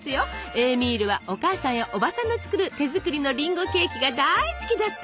エーミールはお母さんやおばさんの作る手作りのりんごケーキが大好きだったの！